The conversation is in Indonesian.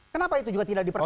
kenapa itu juga tidak dipercaya